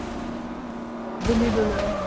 Donnez-le leur.